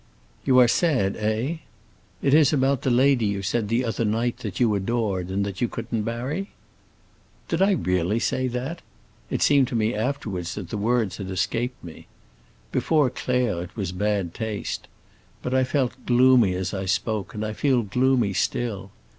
"You are sad, eh? It is about the lady you said the other night that you adored and that you couldn't marry?" "Did I really say that? It seemed to me afterwards that the words had escaped me. Before Claire it was bad taste. But I felt gloomy as I spoke, and I feel gloomy still.